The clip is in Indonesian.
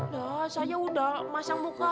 ya saya sudah masang muka